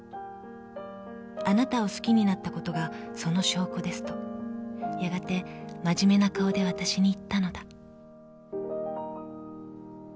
［「あなたを好きになったことがその証拠です」とやがてまじめな顔でわたしに言ったのだ］